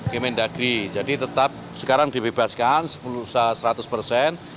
kementerian agri jadi tetap sekarang dibebaskan seratus persen